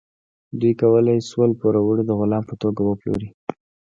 دوی کولی شول پوروړی د غلام په توګه وپلوري.